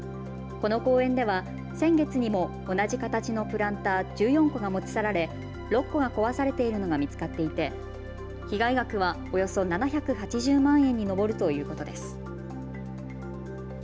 この公園では先月にも同じ形のプランター１４個が持ち去られ６個が壊されているのが見つかっていて被害額は、およそ７８０万円に上るということです。